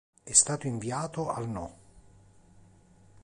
È stato inviato al No.